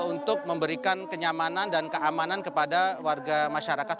untuk memberikan kenyamanan dan keamanan kepada warga masyarakat